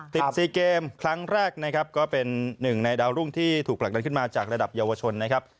๔เกมครั้งแรกนะครับก็เป็นหนึ่งในดาวรุ่งที่ถูกผลักดันขึ้นมาจากระดับเยาวชนนะครับ